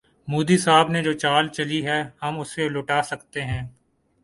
مودی صاحب نے جو چال چلی ہے، ہم اسے لوٹا سکتے ہیں۔